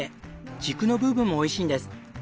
軸の部分もおいしいんです。